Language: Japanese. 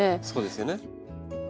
そうですよね。